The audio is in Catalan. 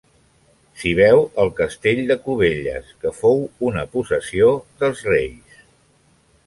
S'hi veu el castell de Cubelles, que fou una possessió dels reis.